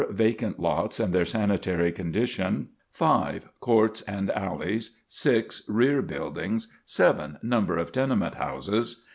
Vacant lots and their sanitary condition. 5. Courts and alleys. 6. Rear buildings. 7. Number of tenement houses.